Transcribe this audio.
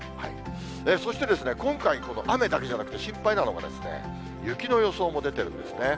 そして、今回、雨だけじゃなくて、心配なのが雪の予想も出てるんですね。